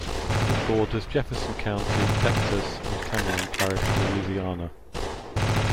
It borders Jefferson County, Texas, and Cameron Parish, Louisiana.